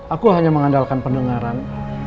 aku hanya mengandalkan pendengaran